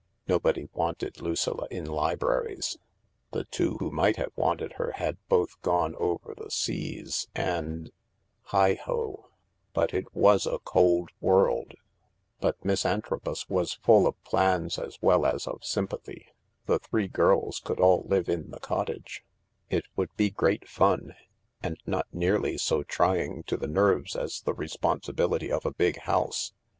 Nobody wanted Lucilla in libraries ; the two who might have wanted her had both gone over the seas, and Heigh ho, but it was a cold world ! But Miss Antrobus was full oi plans as well as of sympathy. The three girls could all live in the cottage ; it would be great fun, and not nearly so trying to the nerves as the re sponsibility of a big house.